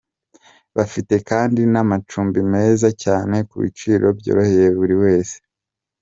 Bafite kandi n'amacumbi meza cyane ku biciro byoroheye buri wese.